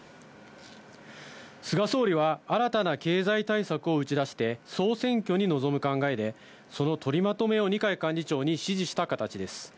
菅総理は、新たな経済対策を打ち出して、総選挙に臨む考えで、その取りまとめを二階幹事長に指示した形です。